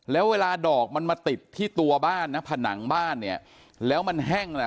แล้วเวลาดอกมันมาติดที่ตัวบ้านนะผนังบ้านเนี่ยแล้วมันแห้งแหละ